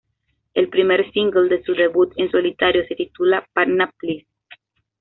El primer single de su debut en solitario se titula "Patna Please".